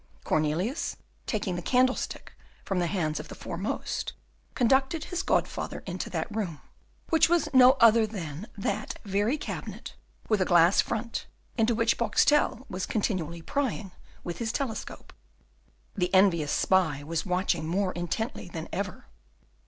Cornelius, taking the candlestick from the hands of the foremost, conducted his godfather into that room, which was no other than that very cabinet with a glass front into which Boxtel was continually prying with his telescope. The envious spy was watching more intently than ever.